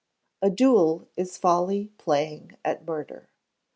[A DUEL IS FOLLY PLAYING AT MURDER.